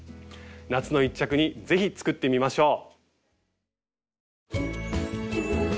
夏の一着にぜひ作ってみましょう。